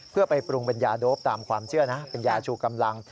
เพื่อไปปรุงเป็นยาโดปตามความเชื่อนะเป็นยาชูกำลัง